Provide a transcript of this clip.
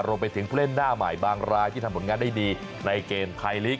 ผู้เล่นหน้าใหม่บางรายที่ทำผลงานได้ดีในเกมไทยลีก